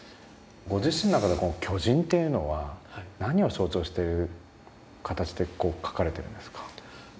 ご自身の中で巨人っていうのは何を象徴してる形で描かれてるんですか？